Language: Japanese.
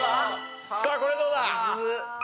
さあこれどうだ？